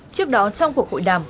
trước đó trong cuộc hội đàm